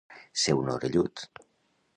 Ser un orellut.